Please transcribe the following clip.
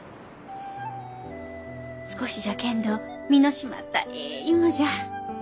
少しじゃけんど実の締まったええ芋じゃ。